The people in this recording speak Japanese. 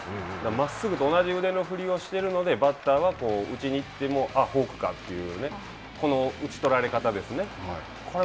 まっすぐと同じ腕の振りをしているのでバッターは、打ちに行ってもあっフォークかという、この打ち取られ方ですね。